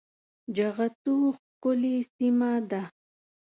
جغتو ښکلې سيمه ده